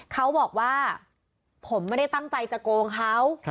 เขาบอกว่าผมไม่ได้ตั้งใจจะโกงเขา